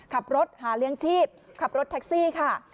ขับรถหาเลี้ยงชีพขับรถแท็กซี่ค่ะ